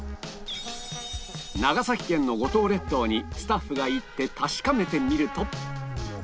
長崎県の五島列島にスタッフが行って確かめてみると